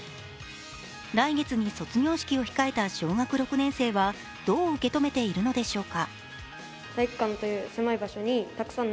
来月に卒業式を控えた小学６年生はどう受け止めているのでしょうか。